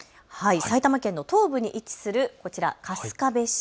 埼玉県の東部に位置するこちら春日部市。